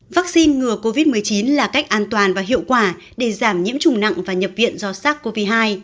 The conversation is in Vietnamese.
vaccine ngừa covid một mươi chín là cách an toàn và hiệu quả để giảm nhiễm trùng nặng và nhập viện do sars cov hai